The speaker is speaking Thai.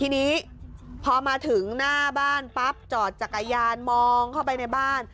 ทีนี้พอมาถึงหน้าบ้านปั๊บจอดจักรยานมองเข้าไปในบ้าน